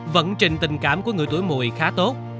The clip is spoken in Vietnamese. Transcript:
vẫn trình tình cảm của người tuổi mụi khá tốt